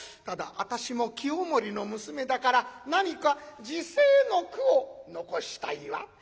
ただ私も清盛の娘だから何か辞世の句を残したいわ」。